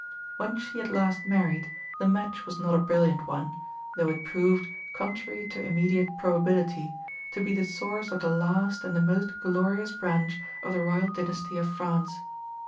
When she at last married, the match was not a brilliant one, though it proved, contrary to immediate probability, to be the source of the last and the most glorious branch of the royal dynasty of France.